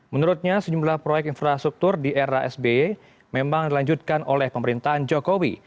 menurutnya sejumlah proyek infrastruktur di era sby memang dilanjutkan oleh pemerintahan jokowi